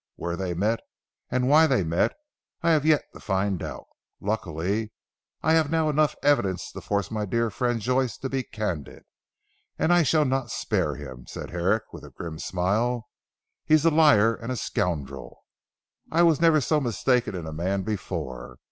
Where they met, and why they met, I have yet to find out. Luckily I have now enough evidence to force my dear friend Joyce to be candid. And I shall not spare him," said Herrick with a grim smile. "He is a liar and a scoundrel. I never was so mistaken in a man before.